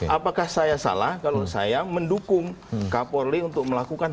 apakah saya salah kalau saya mendukung kapolri untuk melakukan